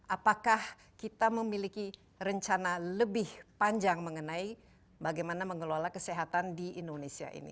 apakah kita memiliki rencana lebih panjang mengenai bagaimana mengelola kesehatan di indonesia ini